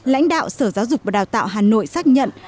lãnh đạo sở giáo dục và đào tạo hà nội xác nhận